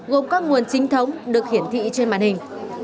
gồm các nguồn chính thống được hiển thị trên màn hình